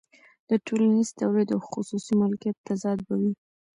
د ټولنیز تولید او خصوصي مالکیت تضاد به وي